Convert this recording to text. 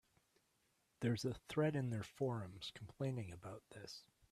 There's a thread in their forums complaining about this.